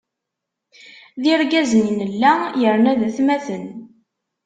D irgazen i nella, yerna d atmaten.